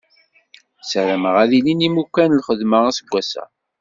Ssarameɣ ad ilin yimukan n lxedma aseggas-a.